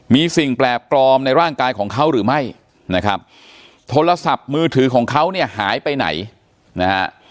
มีสิ่งแปลกปลอมในร่างกายของเขาหรือไม่นะครับโทรศัพท์มือถือของเขาเนี่ยหายไปไหนนะฮะ